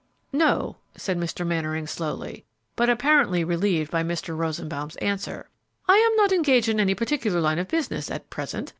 "No," said Mr. Mannering, slowly, but apparently relieved by Mr. Rosenbaum's answer, "I am not engaged in any particular line of business at present.